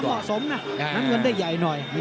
หรือกระดูกกระดูกเดียวไม่เหมาะสมนะน้ำควันได้ใหญ่หน่อย